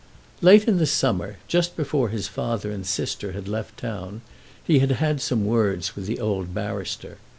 Late in the summer, just before his father and sister had left town, he had had some words with the old barrister.